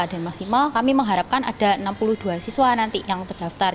dan maksimal kami mengharapkan ada enam puluh dua siswa nanti yang terdaftar